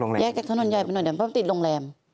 แยกจากถนนใหญ่ไปหน่อยเดี๋ยวเพราะติดโรงแรม